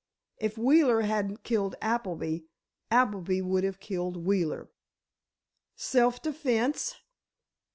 If Wheeler hadn't killed Appleby—Appleby would have killed Wheeler." "Self defence?"